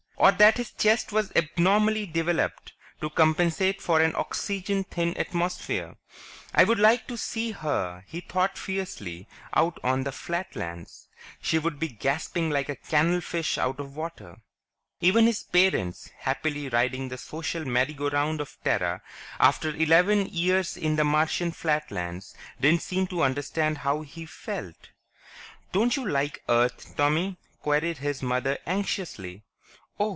Or that his chest was abnormally developed to compensate for an oxygen thin atmosphere? I'd like to see her, he thought fiercely, out on the Flatlands; she'd be gasping like a canal fish out of water. Even his parents, happily riding the social merry go round of Terra, after eleven years in the Martian flatlands, didn't seem to understand how he felt. "Don't you like Earth, Tommy?" queried his mother anxiously. "Oh